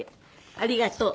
ありがとう。